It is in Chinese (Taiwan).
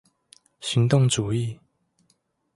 行動主義